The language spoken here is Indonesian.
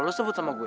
lo sebut sama gue